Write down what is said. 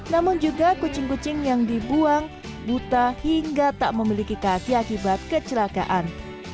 namun juga kucing kucing yang dibuang buta hingga tak memiliki kaki akibat kecelakaan